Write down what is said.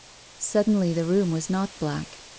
" Suddenly the room was not black.